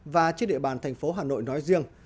và trên địa bàn thành phố hà nội nói riêng